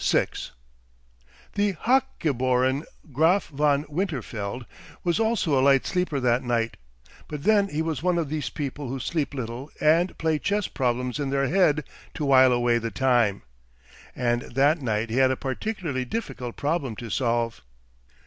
6 The hochgeboren Graf von Winterfeld was also a light sleeper that night, but then he was one of these people who sleep little and play chess problems in their heads to while away the time and that night he had a particularly difficult problem to solve.